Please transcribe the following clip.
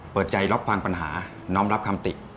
เปิดใจรับฟังปัญหาน้อมรับคำติ